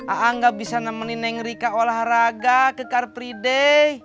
ate gak bisa nemenin neng rika olahraga ke kartride